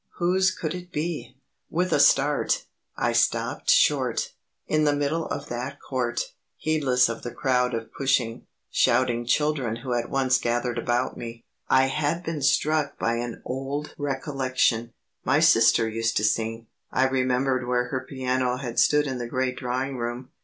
Whose could it be? With a start, I stopped short, in the middle of that court, heedless of the crowd of pushing, shouting children who at once gathered about me. I had been struck by an old recollection. My sister used to sing. I remembered where her piano had stood in the great drawing room.